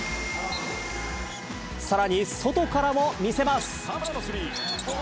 さらに外からも見せます。